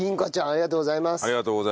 ありがとうございます。